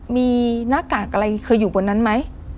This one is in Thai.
มีหน้ากากอะไรเคยอยู่บนนั้นไหม